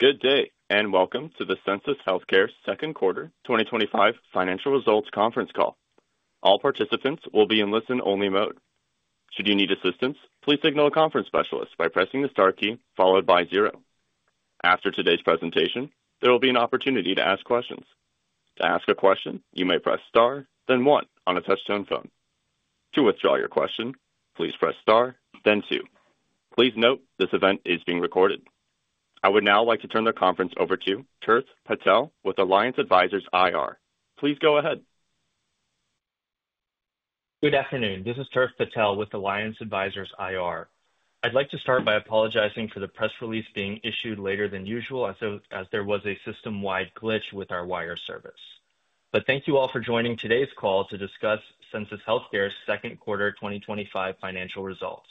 Good day and welcome to the Sensus Healthcare Second Quarter 2025 Financial Results Conference Call. All participants will be in listen-only mode. Should you need assistance, please signal a conference specialist by pressing the star key followed by zero. After today's presentation, there will be an opportunity to ask questions. To ask a question, you may press star, then one on a touch-tone phone. To withdraw your question, please press star, then two. Please note this event is being recorded. I would now like to turn the conference over to Tirth Patel with Alliance Advisors IR. Please go ahead. Good afternoon. This is Tirth Patel with Alliance Advisors IR. I'd like to start by apologizing for the press release being issued later than usual, as there was a system-wide glitch with our wire service. Thank you all for joining today's call to discuss Sensus Healthcare's Second Quarter 2025 Financial Results.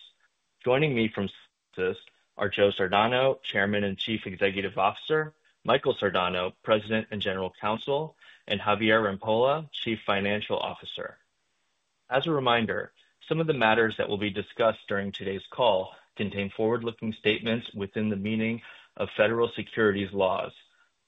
Joining me from Sensus are Joe Sardano, Chairman and Chief Executive Officer; Michael Sardano, President and General Counsel; and Javier Rampolla, Chief Financial Officer. As a reminder, some of the matters that will be discussed during today's call contain forward-looking statements within the meaning of federal securities laws.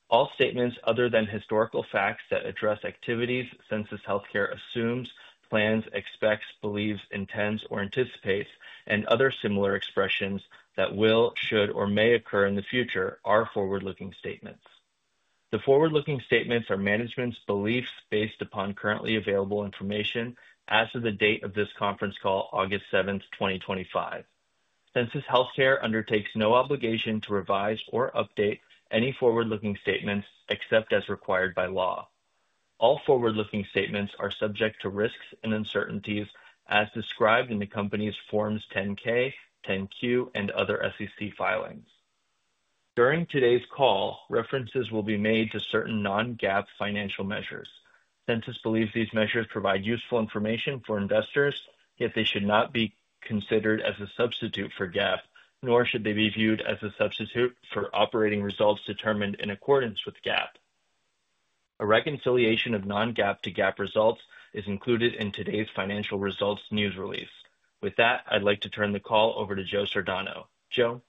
All statements other than historical facts that address activities Sensus Healthcare assumes, plans, expects, believes, intends, or anticipates, and other similar expressions that will, should, or may occur in the future are forward-looking statements. The forward-looking statements are management's beliefs based upon currently available information as of the date of this conference call, August 7, 2025. Sensus Healthcare undertakes no obligation to revise or update any forward-looking statements except as required by law. All forward-looking statements are subject to risks and uncertainties as described in the company's Forms 10-K, 10-Q, and other SEC filings. During today's call, references will be made to certain non-GAAP financial measures. And this Sensus believes these measures provide useful information for investors, yet they should not be considered as a substitute for GAAP, nor should they be viewed as a substitute for operating results determined in accordance with GAAP. A reconciliation of non-GAAP to GAAP results is included in today's financial results news release. With that, I'd like to turn the call over to Joseph C. Sardano. Joe.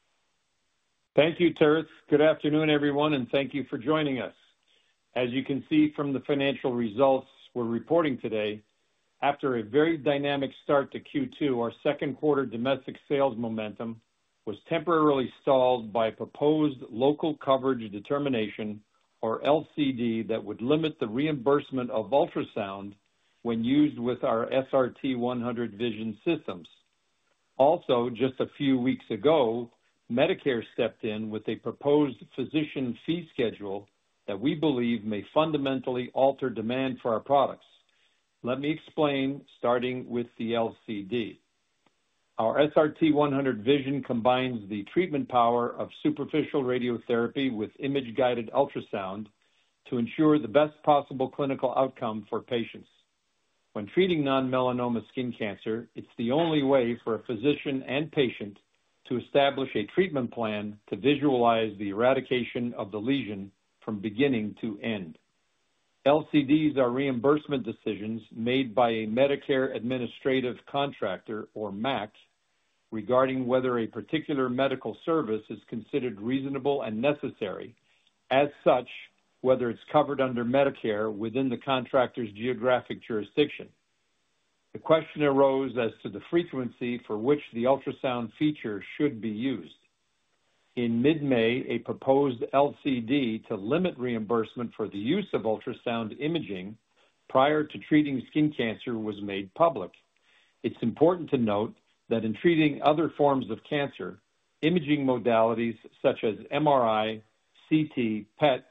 Thank you, Tirth. Good afternoon, everyone, and thank you for joining us. As you can see from the financial results we're reporting today, after a very dynamic start to Q2, our second quarter domestic sales momentum was temporarily stalled by proposed Local Coverage Determination, or LCD, that would limit the reimbursement of ultrasound when used with our SRT-100 Vision systems. Also, just a few weeks ago, Medicare stepped in with a proposed physician fee schedule that we believe may fundamentally alter demand for our products. Let me explain, starting with the LCD. Our SRT-100 Vision combines the treatment power of superficial radiotherapy with image-guided ultrasound to ensure the best possible clinical outcome for patients. When treating non-melanoma skin cancer, it's the only way for a physician and patient to establish a treatment plan to visualize the eradication of the lesion from beginning to end. LCDs are reimbursement decisions made by a Medicare Administrative Contractor, or MAC, regarding whether a particular medical service is considered reasonable and necessary, as such, whether it's covered under Medicare within the contractor's geographic jurisdiction. The question arose as to the frequency for which the ultrasound feature should be used. In mid-May, a proposed LCD to limit reimbursement for the use of ultrasound imaging prior to treating skin cancer was made public. It's important to note that in treating other forms of cancer, imaging modalities such as MRI, CT, PET,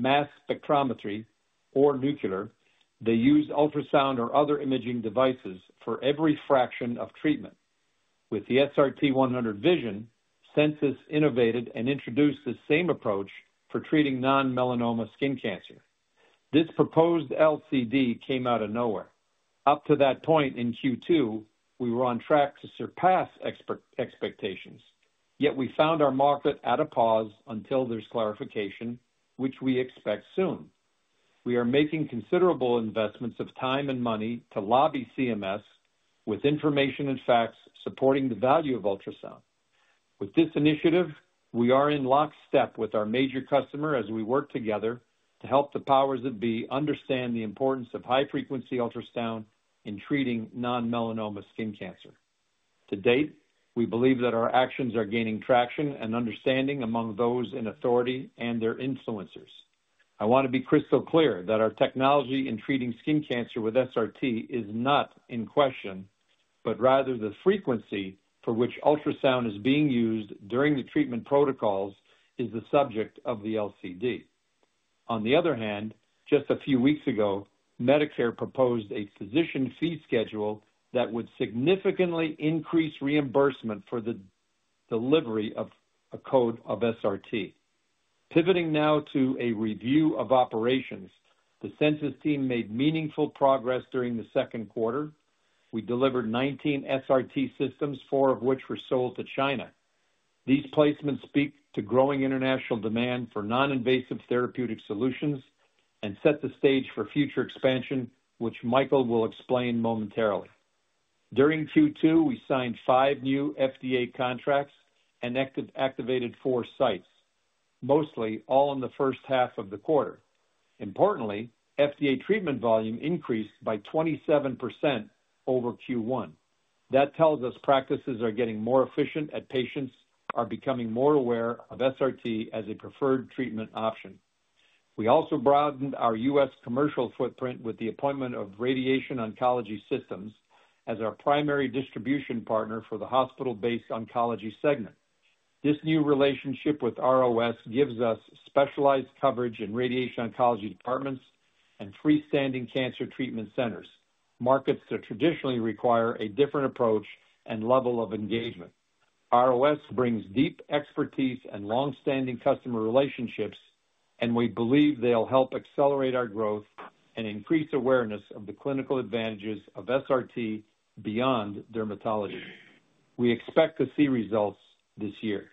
mass spectrometry, or nuclear, they use ultrasound or other imaging devices for every fraction of treatment. With the SRT-100 Vision, Sensus innovated and introduced the same approach for treating non-melanoma skin cancer. This proposed LCD came out of nowhere. Up to that point in Q2, we were on track to surpass expectations, yet we found our market at a pause until there's clarification, which we expect soon. We are making considerable investments of time and money to lobby CMS with information and facts supporting the value of ultrasound. With this initiative, we are in lockstep with our major customer as we work together to help the powers that be understand the importance of high-frequency ultrasound in treating non-melanoma skin cancer. To date, we believe that our actions are gaining traction and understanding among those in authority and their influencers. I want to be crystal clear that our technology in treating skin cancer with SRT is not in question, but rather the frequency for which ultrasound is being used during the treatment protocols is the subject of the LCD. On the other hand, just a few weeks ago, Medicare proposed a physician fee schedule that would significantly increase reimbursement for the delivery of a code of SRT. Pivoting now to a review of operations, the Sensus team made meaningful progress during the second quarter. We delivered 19 SRT systems, four of which were sold to China. These placements speak to growing international demand for non-invasive therapeutic solutions and set the stage for future expansion, which Michael will explain momentarily. During Q2, we signed five new FDA contracts and activated four sites, mostly all in the first half of the quarter. Importantly, FDA treatment volume increased by 27% over Q1. That tells us practices are getting more efficient and patients are becoming more aware of SRT as a preferred treatment option. We also broadened our U.S. commercial footprint with the appointment of Radiation Oncology Systems as our primary distribution partner for the hospital-based oncology segment. This new relationship with ROS gives us specialized coverage in radiation oncology departments and freestanding cancer treatment centers, markets that traditionally require a different approach and level of engagement. ROS brings deep expertise and longstanding customer relationships, and we believe they'll help accelerate our growth and increase awareness of the clinical advantages of SRT beyond dermatology. We expect to see results this year.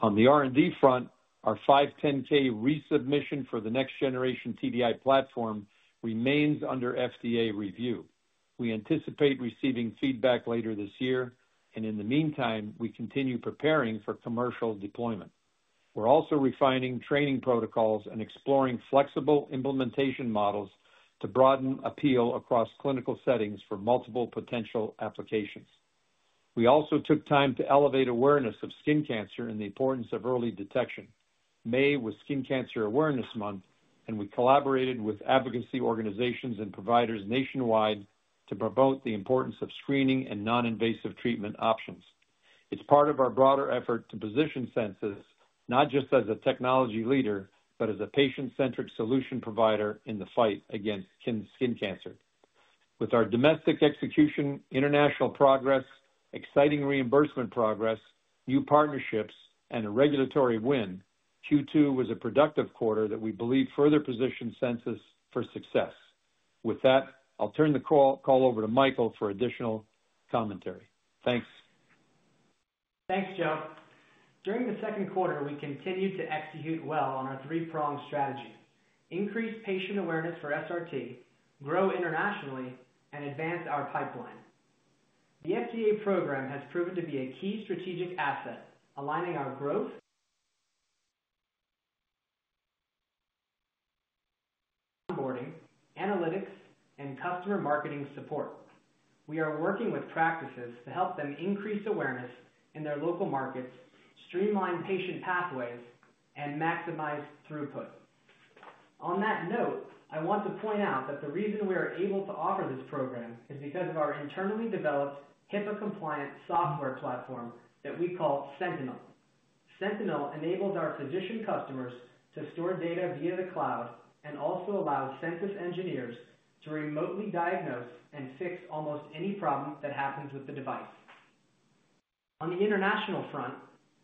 On the R&D front, our 510(k) resubmission for the next-generation TDI platform remains under FDA review. We anticipate receiving feedback later this year, and in the meantime, we continue preparing for commercial deployment. We're also refining training protocols and exploring flexible implementation models to broaden appeal across clinical settings for multiple potential applications. We also took time to elevate awareness of skin cancer and the importance of early detection. May was Skin Cancer Awareness Month, and we collaborated with advocacy organizations and providers nationwide to promote the importance of screening and non-invasive treatment options. It's part of our broader effort to position Sensus not just as a technology leader, but as a patient-centric solution provider in the fight against skin cancer. With our domestic execution, international progress, exciting reimbursement progress, new partnerships, and a regulatory win, Q2 was a productive quarter that we believe further positioned Sensus for success. With that, I'll turn the call over to Michael for additional commentary. Thanks. Thanks, Joe. During the second quarter, we continued to execute well on our three-pronged strategy: increase patient awareness for SRT, grow internationally, and advance our pipeline. The FDA program has proven to be a key strategic asset, aligning our growth, onboarding, analytics, and customer marketing support. We are working with practices to help them increase awareness in their local markets, streamline patient pathways, and maximize throughput. On that note, I want to point out that the reason we are able to offer this program is because of our internally developed HIPAA-compliant software platform that we call Sentinel. Sentinel enables our physician customers to store data via the cloud and also allows Sensus engineers to remotely diagnose and fix almost any problem that happens with the device. On the international front,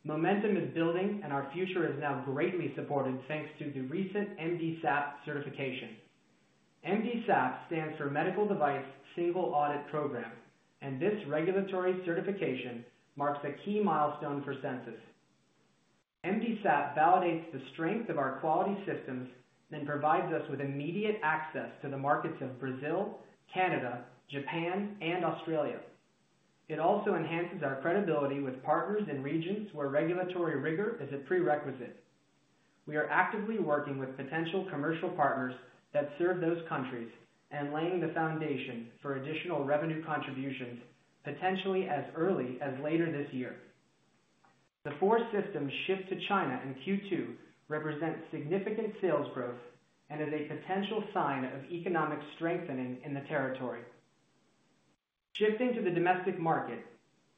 momentum is building, and our future is now greatly supported thanks to the recent MDSAP certification. MDSAP stands for Medical Device Single Audit Program, and this regulatory certification marks a key milestone for Sensus. MDSAP validates the strength of our quality systems and provides us with immediate access to the markets of Brazil, Canada, Japan, and Australia. It also enhances our credibility with partners in regions where regulatory rigor is a prerequisite. We are actively working with potential commercial partners that serve those countries and laying the foundation for additional revenue contributions, potentially as early as later this year. The four systems shipped to China in Q2 represent significant sales growth and are a potential sign of economic strengthening in the territory. Shifting to the domestic market,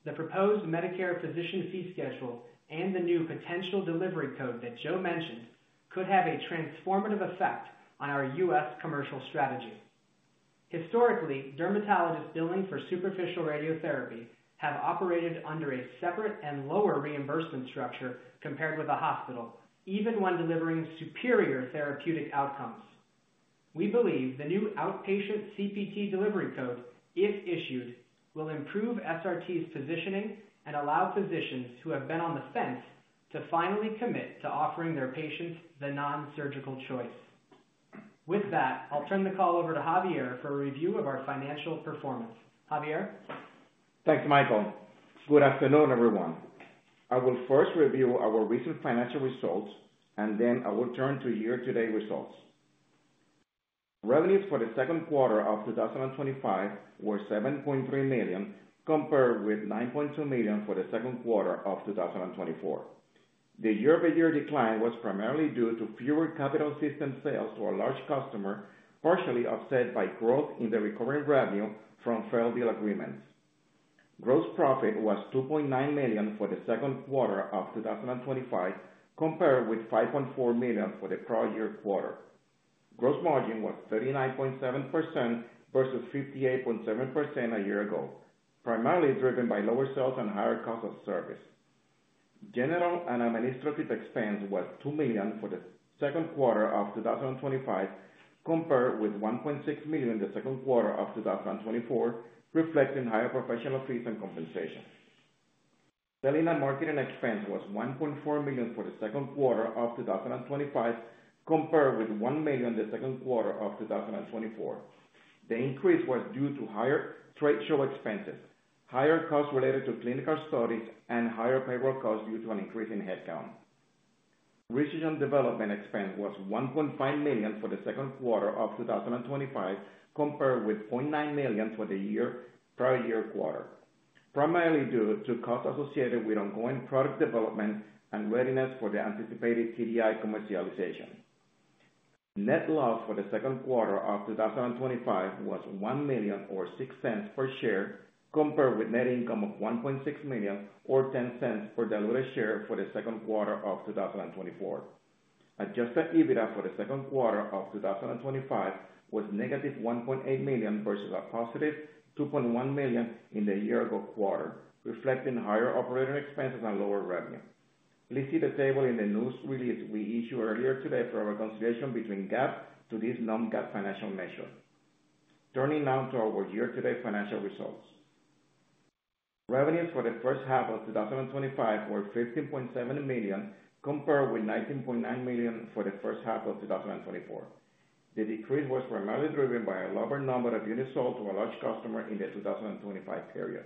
the proposed Medicare physician fee schedule and the new potential delivery code that Joe mentioned could have a transformative effect on our U.S. commercial strategy. Historically, dermatologists billing for superficial radiotherapy have operated under a separate and lower reimbursement structure compared with a hospital, even when delivering superior therapeutic outcomes. We believe the new outpatient CPT delivery code, if issued, will improve SRT's positioning and allow physicians who have been on the fence to finally commit to offering their patients the non-surgical choice. With that, I'll turn the call over to Javier for a review of our financial performance. Javier? Thanks, Michael. Good afternoon, everyone. I will first review our recent financial results, and then I will turn to year-to-date results. Revenues for the second quarter of 2025 were $7.3 million, compared with $9.2 million for the second quarter of 2024. The year-over-year decline was primarily due to fewer capital system sales to our large customer, partially offset by growth in the recurring revenue from fair market value lease agreements. Gross profit was $2.9 million for the second quarter of 2025, compared with $5.4 million for the prior year quarter. Gross margin was 39.7% versus 58.7% a year ago, primarily driven by lower sales and higher costs of service. General and administrative expense was $2 million for the second quarter of 2025, compared with $1.6 million in the second quarter of 2024, reflecting higher professional fees and compensation. Selling and marketing expense was $1.4 million for the second quarter of 2025, compared with $1 million in the second quarter of 2024. The increase was due to higher trade show expenses, higher costs related to clinical studies, and higher payroll costs due to an increase in headcount. Research and development expense was $1.5 million for the second quarter of 2025, compared with $0.9 million for the year-prior quarter, primarily due to costs associated with ongoing product development and readiness for the anticipated TDI commercialization. Net loss for the second quarter of 2025 was $1 million or $0.06 per share, compared with a net income of $1.6 million or $0.10 per share for the second quarter of 2024. Adjusted EBITDA for the second quarter of 2025 was negative $1.8 million versus a positive $2.1 million in the year-ago quarter, reflecting higher operating expenses and lower revenue. Please see the table in the news release we issued earlier today for our reconciliation between GAAP to this non-GAAP financial measure. Turning now to our year-to-date financial results. Revenues for the first half of 2025 were $15.7 million, compared with $19.9 million for the first half of 2024. The decrease was primarily driven by a lower number of units sold to our large customers in the 2025 period.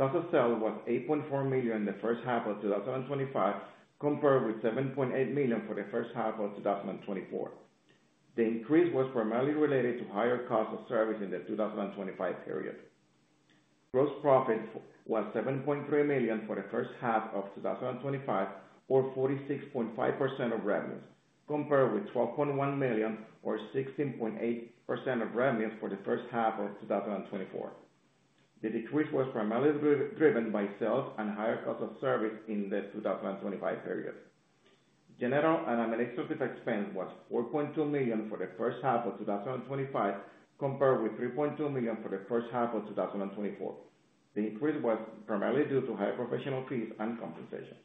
Cost of sale was $8.4 million in the first half of 2025, compared with $7.8 million for the first half of 2024. The increase was primarily related to higher costs of service in the 2025 period. Gross profit was $7.3 million for the first half of 2025, or 46.5% of revenues, compared with $12.1 million or 16.8% of revenues for the first half of 2024. The decrease was primarily driven by sales and higher costs of service in the 2025 period. General and administrative expense was $4.2 million for the first half of 2025, compared with $3.2 million for the first half of 2024. The increase was primarily due to higher professional fees and compensation.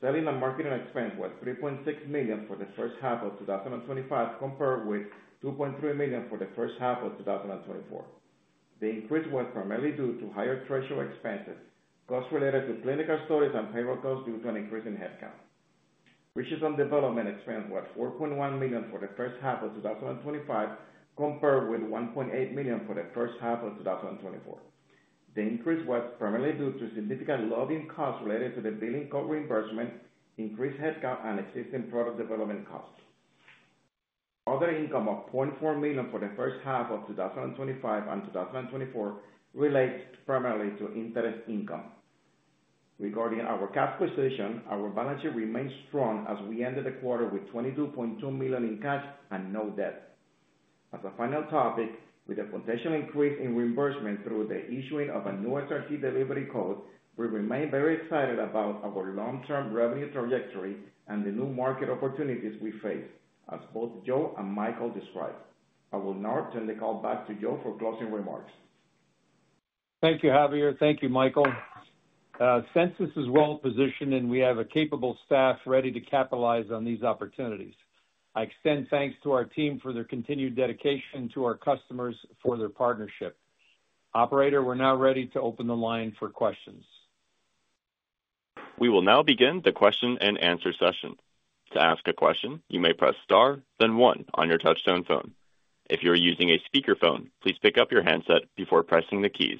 Selling and marketing expense was $3.6 million for the first half of 2025, compared with $2.3 million for the first half of 2024. The increase was primarily due to higher trade show expenses, costs related to clinical studies, and payroll costs due to an increase in headcount. Research and development expense was $4.1 million for the first half of 2025, compared with $1.8 million for the first half of 2024. The increase was primarily due to significant lobbying costs related to the billing code reimbursement, increased headcount, and existing product development costs. Other income of $0.4 million for the first half of 2025 and 2024 relates primarily to interest income. Regarding our cash position, our balance sheet remains strong as we ended the quarter with $22.2 million in cash and no debt. As a final topic, with the potential increase in reimbursement through the issuing of a new SRT delivery code, we remain very excited about our long-term revenue trajectory and the new market opportunities we face, as both Joe and Michael described. I will now turn the call back to Joe for closing remarks. Thank you, Javier. Thank you, Michael. Sensus is well-positioned, and we have a capable staff ready to capitalize on these opportunities. I extend thanks to our team for their continued dedication and to our customers for their partnership. Operator, we're now ready to open the line for questions. We will now begin the question and answer session. To ask a question, you may press star, then one on your touch-tone phone. If you're using a speakerphone, please pick up your handset before pressing the keys.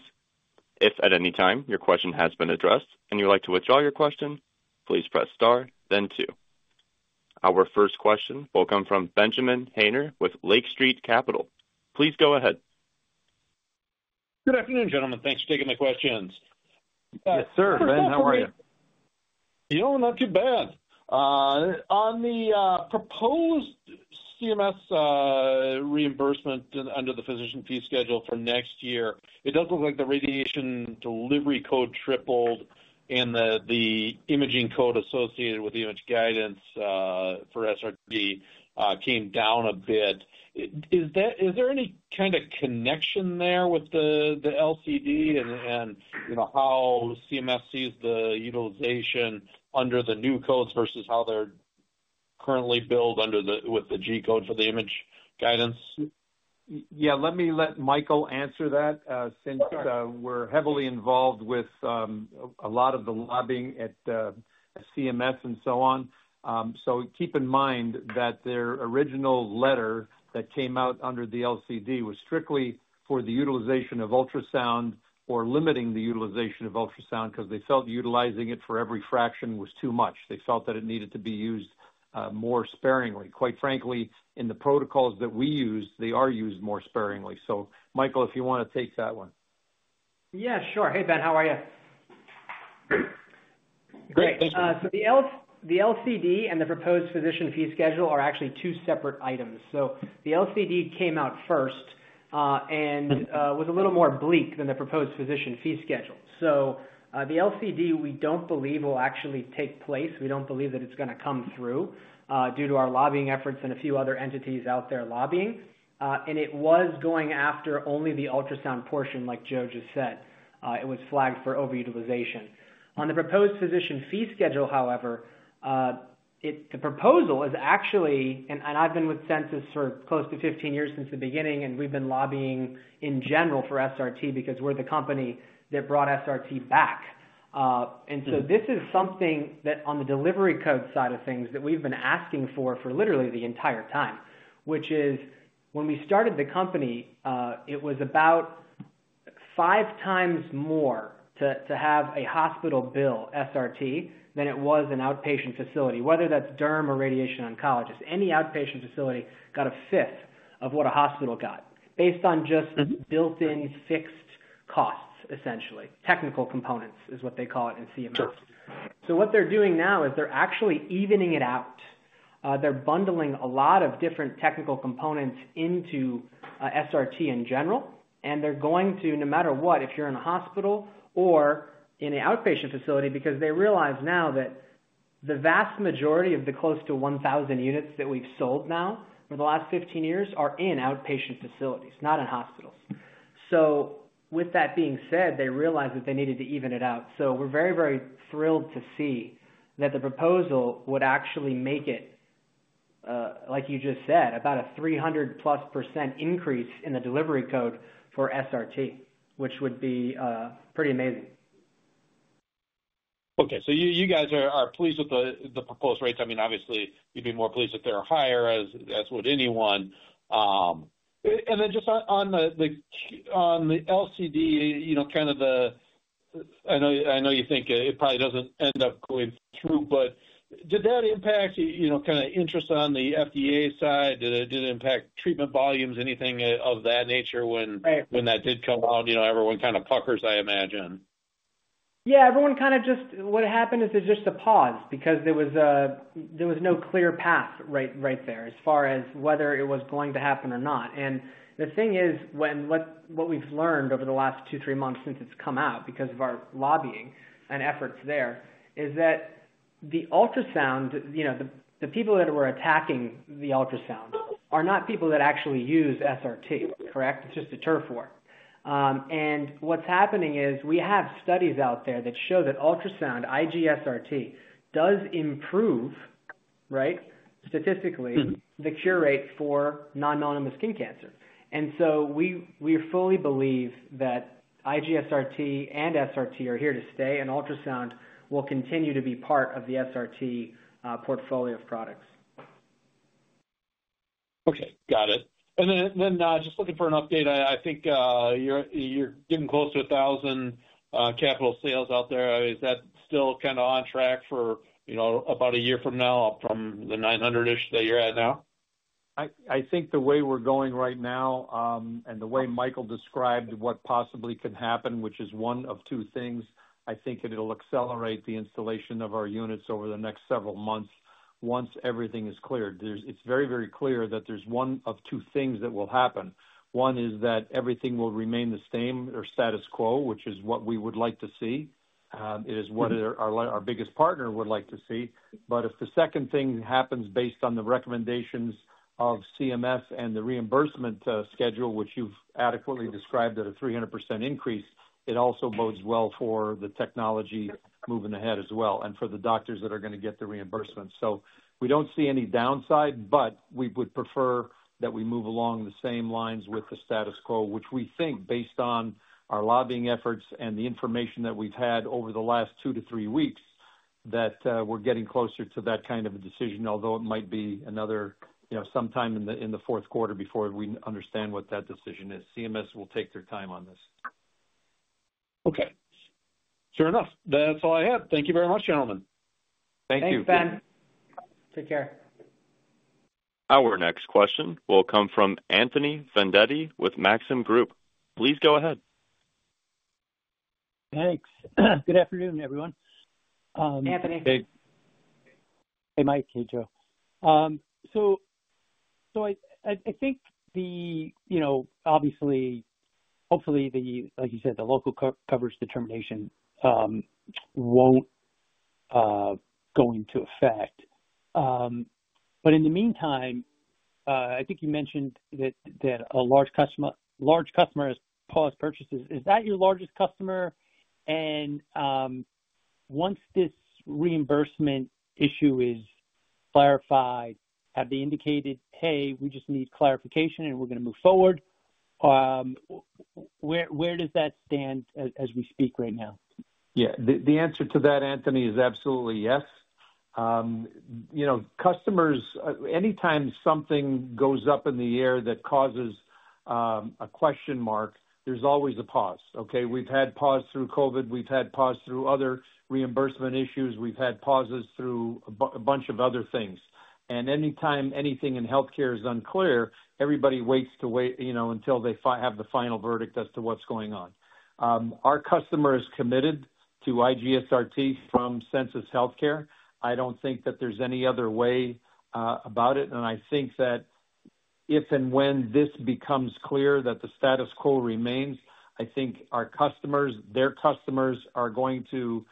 If at any time your question has been addressed and you would like to withdraw your question, please press star, then two. Our first question will come from Benjamin Haynor, with Lake Street Capital Markets LLC. Please go ahead. Good afternoon, gentlemen. Thanks for taking the questions. Yes, sir. Ben, how are you? You know, not too bad. On the proposed CMS reimbursement under the physician fee schedule for next year, it does look like the radiation delivery code tripled and the imaging code associated with the image guidance for SRT came down a bit. Is that, is there any kind of connection there with the LCD and, you know, how CMS sees the utilization under the new codes versus how they're currently billed under the, with the G code for the image guidance? Let Michael answer that, since we're heavily involved with a lot of the lobbying at CMS and so on. Keep in mind that their original letter that came out under the LCD was strictly for the utilization of ultrasound or limiting the utilization of ultrasound because they felt utilizing it for every fraction was too much. They felt that it needed to be used more sparingly. Quite frankly, in the protocols that we use, they are used more sparingly. Michael, if you want to take that one. Yeah, sure. Hey, Ben, how are you? Great. The LCD and the proposed physician fee schedule are actually two separate items. The LCD came out first and was a little more bleak than the proposed physician fee schedule. The LCD, we don't believe will actually take place. We don't believe that it's going to come through due to our lobbying efforts and a few other entities out there lobbying. It was going after only the ultrasound portion, like Joe just said. It was flagged for overutilization. On the proposed physician fee schedule, however, the proposal is actually, and I've been with Sensus for close to 15 years since the beginning, and we've been lobbying in general for SRT because we're the company that brought SRT back. This is something that on the delivery code side of things that we've been asking for for literally the entire time, which is when we started the company, it was about five times more to have a hospital bill SRT than it was an outpatient facility, whether that's derm or radiation oncologists. Any outpatient facility got a fifth of what a hospital got based on just built-in fixed costs, essentially. Technical components is what they call it in CMS. What they're doing now is they're actually evening it out. They're bundling a lot of different technical components into SRT in general, and they're going to, no matter what, if you're in a hospital or in an outpatient facility, because they realize now that the vast majority of the close to 1,000 units that we've sold now for the last 15 years are in outpatient facilities, not in hospitals. With that being said, they realized that they needed to even it out. We're very, very thrilled to see that the proposal would actually make it, like you just said, about a 300+% increase in the delivery code for SRT, which would be pretty amazing. Okay, so you guys are pleased with the proposed rates? I mean, obviously, you'd be more pleased if they're higher, as would anyone. Just on the LCD in Canada, I know you know, I know you think it probably doesn't end up going through, but did that impact, you know, kind of interest on the FDA side? Did it impact treatment volumes, anything of that nature when that did come out? You know, everyone kind of puckers, I imagine. Yeah, everyone kind of just, what happened is there's just a pause because there was no clear path right there as far as whether it was going to happen or not. The thing is, what we've learned over the last two, three months since it's come out because of our lobbying and efforts there is that the ultrasound, you know, the people that were attacking the ultrasounds are not people that actually use SRT, correct? It's just a turf war. What's happening is we have studies out there that show that ultrasound, IG-SRT does improve, right, statistically, the cure rate for non-melanoma skin cancer. We fully believe that IG-SRT, and SRT are here to stay, and ultrasound will continue to be part of the SRT portfolio of products. Okay, got it. Just looking for an update, I think you're getting close to 1,000 capital sales out there. Is that still kind of on track for about a year from now, up from the 900-ish that you're at now? I think the way we're going right now and the way Michael described what possibly could happen, which is one of two things, I think it'll accelerate the installation of our units over the next several months once everything is cleared. It's very, very clear that there's one of two things that will happen. One is that everything will remain the same or status quo, which is what we would like to see. It is what our biggest partner would like to see. If the second thing happens based on the recommendations of CMS and the reimbursement schedule, which you've adequately described at a 300% increase, it also bodes well for the technology moving ahead as well and for the doctors that are going to get the reimbursement. We don't see any downside, but we would prefer that we move along the same lines with the status quo, which we think, based on our lobbying efforts and the information that we've had over the last two to three weeks, that we're getting closer to that kind of a decision, although it might be another, you know, sometime in the fourth quarter before we understand what that decision is. CMS will take their time on this. Okay. Sure enough, that's all I had. Thank you very much, gentlemen. Thank you. Thanks, Ben. Take care. Our next question will come from Anthony Vendetti with Maxim Group LLC. Please go ahead. Thanks. Good afternoon, everyone. Anthony. Hey, Mike. Hey, Joe. I think, you know, obviously, hopefully, like you said, the Local Coverage Determination won't go into effect. In the meantime, I think you mentioned that a large customer has paused purchases. Is that your largest customer? Once this reimbursement issue is clarified, have they indicated, "Hey, we just need clarification and we're going to move forward"? Where does that stand as we speak right now? Yeah, the answer to that, Anthony, is absolutely yes. You know, customers, anytime something goes up in the air that causes a question mark, there's always a pause. We've had pause through COVID. We've had pause through other reimbursement issues. We've had pauses through a bunch of other things. Anytime anything in healthcare is unclear, everybody waits to wait until they have the final verdict as to what's going on. Our customer is committed to IG-SRT from Sensus Healthcare. I don't think that there's any other way about it. I think that If and when this becomes clear that the status quo remains, I think our customers, their customers, are going to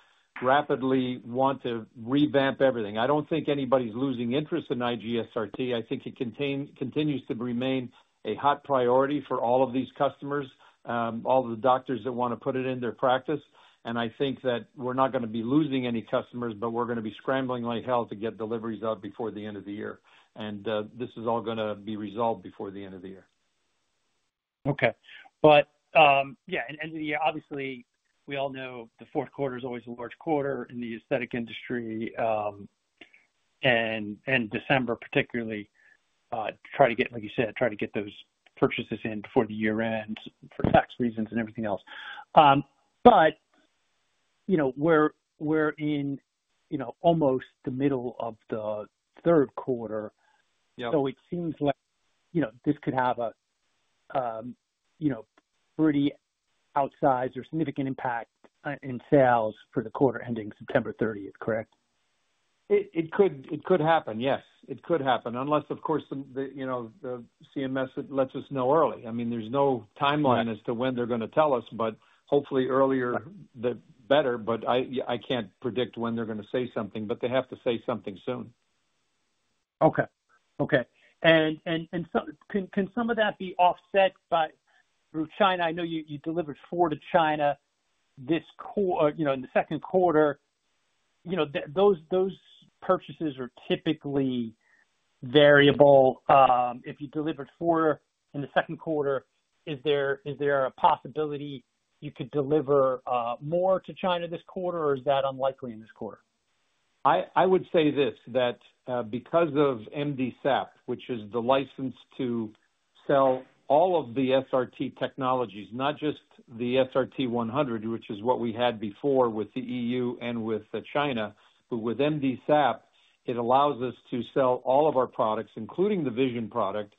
rapidly want to revamp everything. I don't think anybody's losing interest in IG-SRT. I think it continues to remain a hot priority for all of these customers, all of the doctors that want to put it in their practice. I think that we're not going to be losing any customers, but we're going to be scrambling like hell to get deliveries out before the end of the year. This is all going to be resolved before the end of the year. Okay. End of the year, obviously, we all know the fourth quarter is always a large quarter in the aesthetic industry, and December, particularly, try to get, like you said, try to get those purchases in before the year ends for tax reasons and everything else. We're in almost the middle of the third quarter. It seems like this could have a pretty outsized or significant impact in sales for the quarter ending September 30th, correct? It could happen, yes. It could happen. Unless, of course, the CMS lets us know early. I mean, there's no timeline as to when they're going to tell us. Hopefully, earlier, the better. I can't predict when they're going to say something, but they have to say something soon. Okay. Can some of that be offset by through China? I know you delivered four to China this quarter, in the second quarter. Those purchases are typically variable. If you delivered four in the second quarter, is there a possibility you could deliver more to China this quarter, or is that unlikely in this quarter? I would say this, that because of MDSAP, which is the license to sell all of the SRT technologies, not just the SRT-100, which is what we had before with the EU and with China, but with MDSAP, it allows us to sell all of our products, including the Vision product,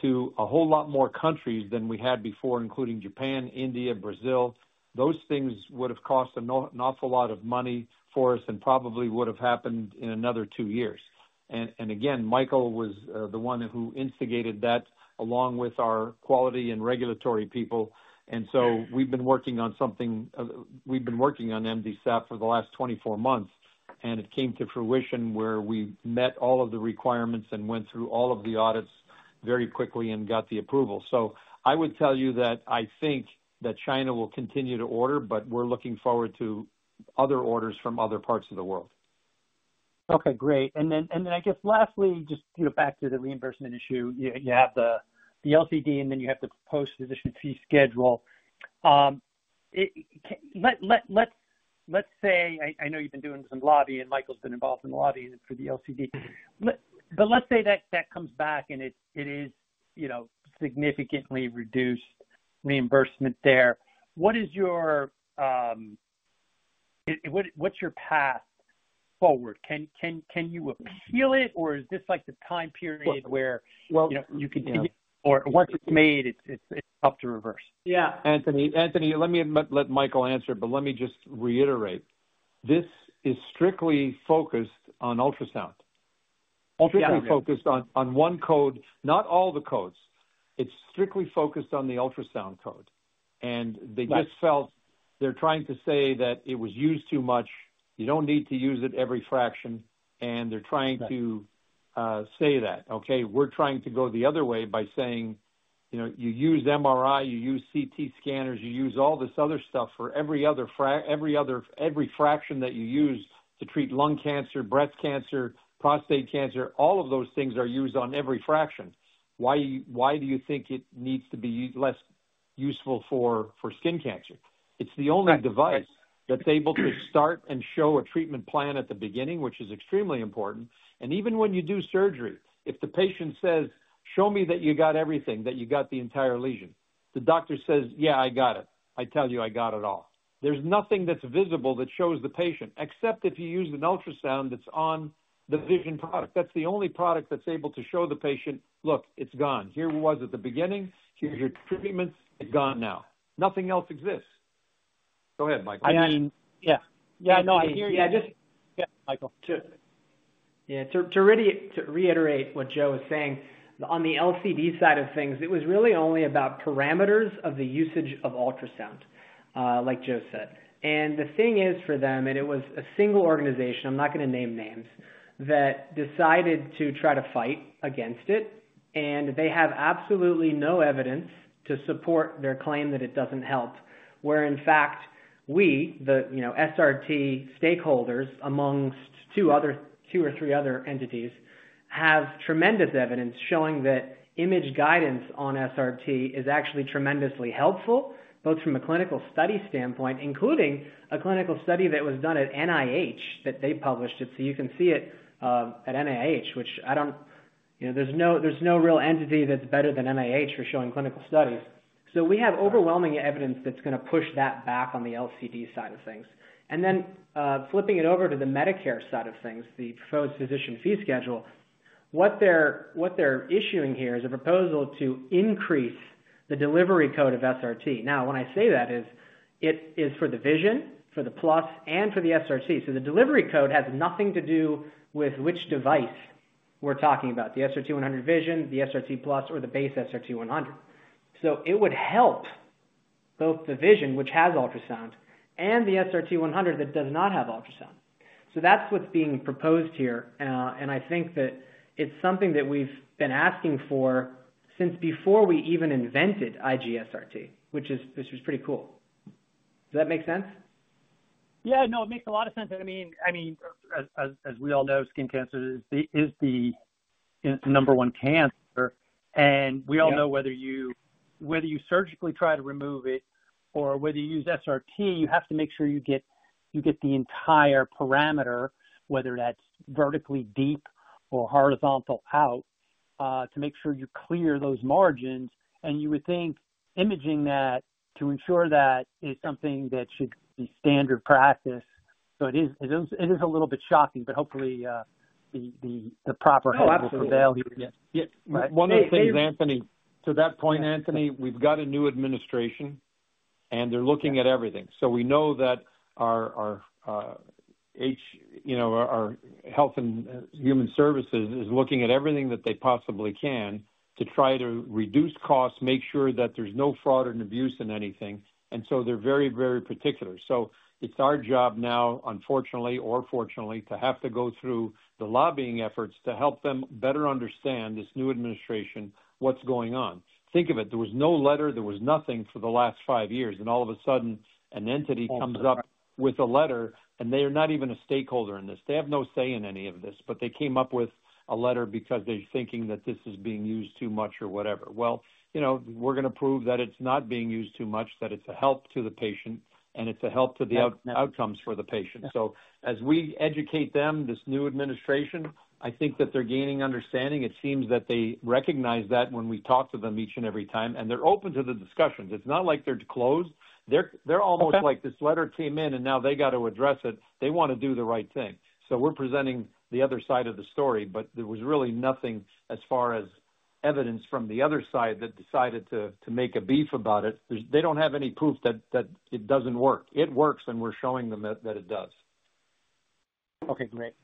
to a whole lot more countries than we had before, including Japan, India, Brazil. Those things would have cost an awful lot of money for us and probably would have happened in another two years. Michael was the one who instigated that along with our quality and regulatory people. We've been working on MDSAP for the last 24 months, and it came to fruition where we met all of the requirements and went through all of the audits very quickly and got the approval. I would tell you that I think that China will continue to order, but we're looking forward to other orders from other parts of the world. Okay, great. Lastly, just back to the reimbursement issue, you have the LCD and then you have the proposed physician fee schedule. Let's say, I know you've been doing some lobbying and Michael's been involved in the lobbying for the LCD, but let's say that that comes back and it is significantly reduced reimbursement there. What is your, what's your path forward? Can you appeal it or is this like the time period where you could do it or once it's made, it's up to reverse? Yeah, Anthony, let me let Michael answer, but let me just reiterate. This is strictly focused on ultrasound. Strictly focused on one code, not all the codes. It's strictly focused on the ultrasound code. They just felt they're trying to say that it was used too much. You don't need to use it every fraction. They're trying to say that. We are trying to go the other way by saying, you know, you use MRI, you use CT scanners, you use all this other stuff for every other, every fraction that you use to treat lung cancer, breast cancer, prostate cancer, all of those things are used on every fraction. Why do you think it needs to be less useful for skin cancer? It's the only device that's able to start and show a treatment plan at the beginning, which is extremely important. Even when you do surgery, if the patient says, "Show me that you got everything, that you got the entire lesion," the doctor says, "Yeah, I got it. I tell you I got it all." There's nothing that's visible that shows the patient, except if you use an ultrasound that's on the Vision product. That's the only product that's able to show the patient, "Look, it's gone. Here was at the beginning. Here's your treatments. It's gone now." Nothing else exists. Go ahead, Michael. Yeah, no, I hear you. Yeah, Michael. Yeah, to reiterate what Joe was saying, on the LCD side of things, it was really only about parameters of the usage of ultrasound, like Joe said. The thing is for them, and it was a single organization, I'm not going to name names, that decided to try to fight against it. They have absolutely no evidence to support their claim that it doesn't help. In fact, we, the SRT stakeholders, amongst two or three other entities, have tremendous evidence showing that image guidance on SRT is actually tremendously helpful, both from a clinical study standpoint, including a clinical study that was done at NIH that they published. You can see it at NIH, which I don't, you know, there's no real entity that's better than NIH for showing clinical studies. We have overwhelming evidence that's going to push that back on the LCD side of things. Flipping it over to the Medicare side of things, the proposed physician fee schedule, what they're issuing here is a proposal to increase the delivery code of SRT. When I say that, it is for the Vision, for the Plus, and for the SRT. The delivery code has nothing to do with which device we're talking about: the SRT-100 Vision, the SRT Plus, or the base SRT-100. It would help both the Vision, which has ultrasound, and the SRT-100 that does not have ultrasound. That's what's being proposed here. I think that it's something that we've been asking for since before we even invented IG-SRT, which is pretty cool. Does that make sense? Yeah, it makes a lot of sense. I mean, as we all know, skin cancer is the number one cancer. We all know whether you surgically try to remove it or whether you use SRT, you have to make sure you get the entire parameter, whether that's vertically deep or horizontal out, to make sure you clear those margins. You would think imaging that to ensure that is something that should be standard practice. It is a little bit shocking, but hopefully the proper help will prevail. One of the things, Anthony, to that point, we've got a new administration and they're looking at everything. We know that our Health and Human Services is looking at everything that they possibly can to try to reduce costs, make sure that there's no fraud and abuse in anything. They're very, very particular. It's our job now, unfortunately or fortunately, to have to go through the lobbying efforts to help them better understand this new administration, what's going on. Think of it. There was no letter, there was nothing for the last five years, and all of a sudden, an entity comes up with a letter and they are not even a stakeholder in this. They have no say in any of this, but they came up with a letter because they're thinking that this is being used too much or whatever. We're going to prove that it's not being used too much, that it's a help to the patient, and it's a help to the outcomes for the patient. As we educate them, this new administration, I think that they're gaining understanding. It seems that they recognize that when we talk to them each and every time, and they're open to the discussions. It's not like they're closed. They're almost like this letter came in and now they got to address it. They want to do the right thing. We're presenting the other side of the story, but there was really nothing as far as evidence from the other side that decided to make a beef about it. They don't have any proof that it doesn't work. It works, and we're showing them that it does. Okay, great.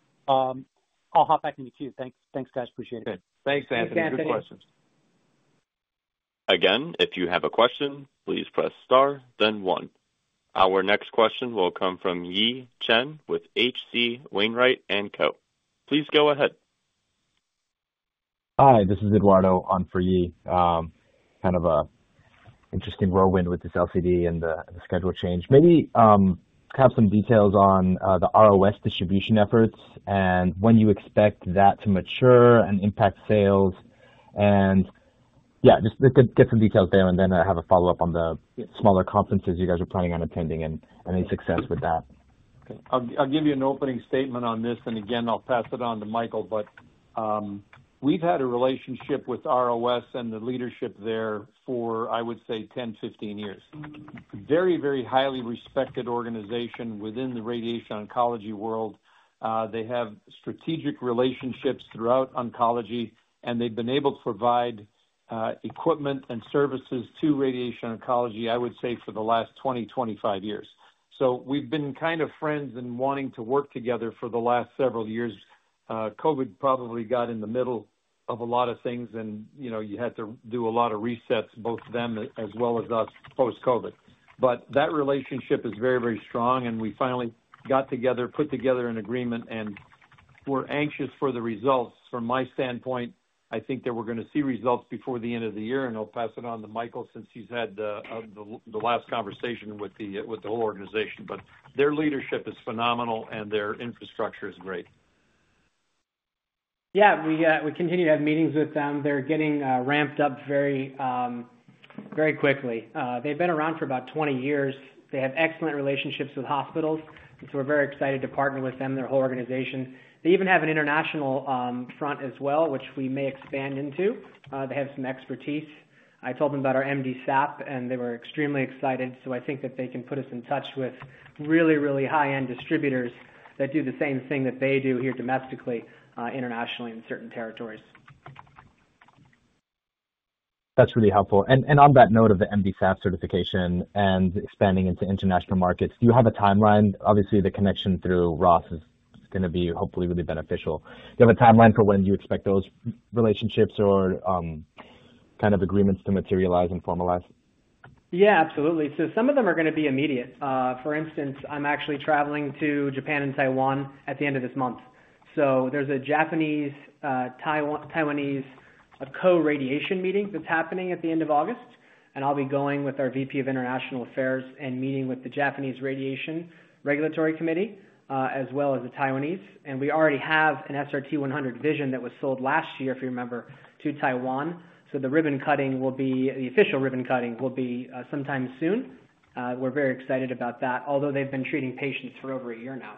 I'll hop back into queue. Thanks, guys. Appreciate it. Good. Thanks, Anthony. Good questions. Again, if you have a question, please press star, then one. Our next question will come from Yee Chen with H.C. Wainwright & Co LLC. Please go ahead. Hi, this is Eduardo on for Yee. Kind of an interesting whirlwind with this Local Coverage Determination and the schedule change. Maybe have some details on the Radiation Oncology Systems distribution efforts and when you expect that to mature and impact sales. Just get some details there and then have a follow-up on the smaller conferences you guys are planning on attending and any success with that. Okay, I'll give you an opening statement on this, and again, I'll pass it on to Michael, but we've had a relationship with ROS and the leadership there for, I would say, 10, 15 years. Very, very highly respected organization within the radiation oncology world. They have strategic relationships throughout oncology, and they've been able to provide equipment and services to radiation oncology, I would say, for the last 20, 25 years. We've been kind of friends and wanting to work together for the last several years. COVID probably got in the middle of a lot of things, and you know, you had to do a lot of resets, both them as well as us post-COVID. That relationship is very, very strong, and we finally got together, put together an agreement, and we're anxious for the results. From my standpoint, I think that we're going to see results before the end of the year, and I'll pass it on to Michael since he's had the last conversation with the whole organization. Their leadership is phenomenal, and their infrastructure is great. Yeah, we continue to have meetings with them. They're getting ramped up very, very quickly. They've been around for about 20 years. They have excellent relationships with hospitals, and we're very excited to partner with them, their whole organization. They even have an international front as well, which we may expand into. They have some expertise. I told them about our MDSAP, and they were extremely excited. I think that they can put us in touch with really, really high-end distributors that do the same thing that they do here domestically, internationally in certain territories. That's really helpful. On that note of the MDSAP certification and expanding into international markets, do you have a timeline? Obviously, the connection through ROS is going to be hopefully really beneficial. Do you have a timeline for when you expect those relationships or kind of agreements to materialize and formalize? Yeah, absolutely. Some of them are going to be immediate. For instance, I'm actually traveling to Japan and Taiwan at the end of this month. There's a Japanese, Taiwanese co-radiation meeting that's happening at the end of August, and I'll be going with our VP of International Affairs and meeting with the Japanese Radiation Regulatory Committee, as well as the Taiwanese. We already have an SRT-100 Vision that was sold last year, if you remember, to Taiwan. The ribbon cutting will be, the official ribbon cutting will be sometime soon. We're very excited about that, although they've been treating patients for over a year now.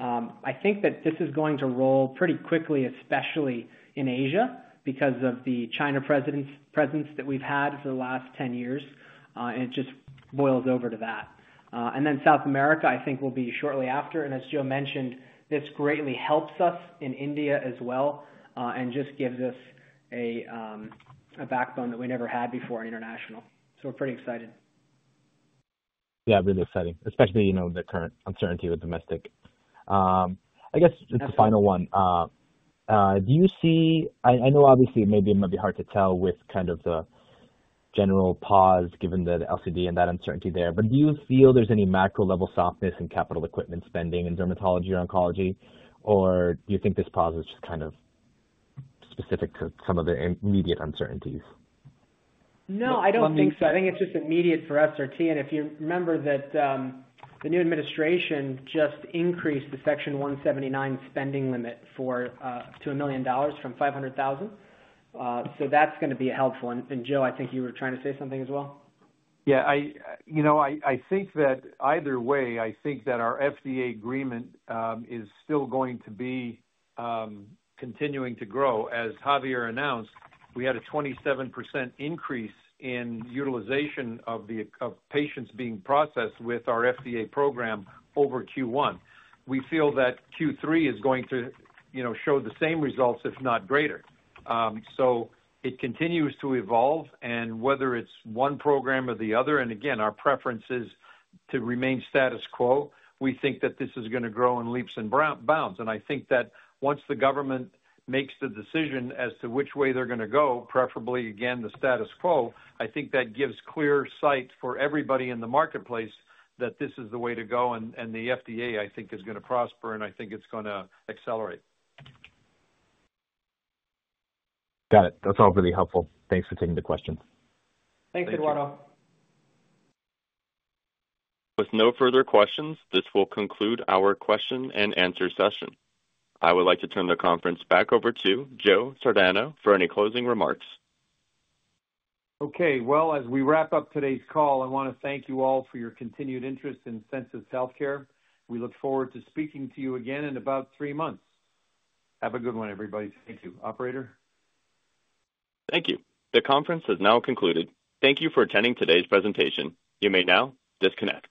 I think that this is going to roll pretty quickly, especially in Asia, because of the China presence that we've had for the last 10 years. It just boils over to that. South America, I think, will be shortly after. As Joe mentioned, this greatly helps us in India as well, and just gives us a backbone that we never had before in international. We're pretty excited. Yeah, really exciting, especially, you know, the current uncertainty with domestic. I guess it's the final one. Do you see, I know obviously maybe it might be hard to tell with kind of the general pause given the LCD and that uncertainty there, but do you feel there's any macro-level softness in capital equipment spending in dermatology or oncology, or do you think this pause is just kind of specific to some of the immediate uncertainties? No, I don't think so. I think it's just immediate for SRT. If you remember that the new administration just increased the Section 179 spending limit to $ 2million from $500,000, that's going to be helpful. Joe, I think you were trying to say something as well. Yeah, I think that either way, I think that our FDA agreement is still going to be continuing to grow. As Javier announced, we had a 27% increase in utilization of patients being processed with our FDA program over Q1. We feel that Q3 is going to show the same results, if not greater. It continues to evolve, and whether it's one program or the other, our preference is to remain status quo. We think that this is going to grow in leaps and bounds. I think that once the government makes the decision as to which way they're going to go, preferably again the status quo, I think that gives clear sight for everybody in the marketplace that this is the way to go, and the FDA, I think, is going to prosper, and I think it's going to accelerate. Got it. That's all really helpful. Thanks for taking the question. Thanks, Eduardo. With no further questions, this will conclude our question and answer session. I would like to turn the conference back over to Joe Sardano for any closing remarks. Okay, as we wrap up today's call, I want to thank you all for your continued interest in Sensus Healthcare. We look forward to speaking to you again in about three months. Have a good one, everybody. Thank you, Operator. Thank you. The conference is now concluded. Thank you for attending today's presentation. You may now disconnect.